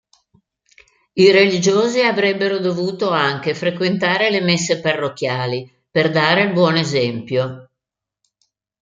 I religiosi avrebbero dovuto anche frequentare le messe parrocchiali per dare il buon esempio.